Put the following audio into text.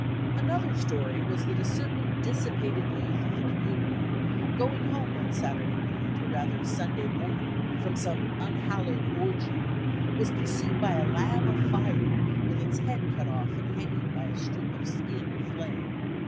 Another story was that a certain dissipated youth of the community, going home one Saturday night, or rather Sun day morning, from some unhallowed orgy, was pursued by a lamb of fire, with its head cut off and hanging by a strip of skin or flame.